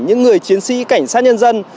những người chiến sĩ cảnh sát nhân dân